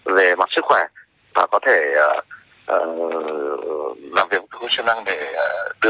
vâng xin chào đại sứ